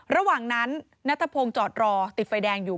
ระหว่างนั้นนัทพงศ์จอดรอติดไฟแดงอยู่